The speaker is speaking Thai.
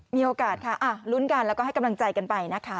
มีโอกาสค่ะลุ้นกันแล้วก็ให้กำลังใจกันไปนะคะ